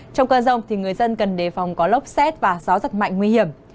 trong cơn rông thì người dân cần đề phòng có lóc xét và gió rất mạnh nguy hiểm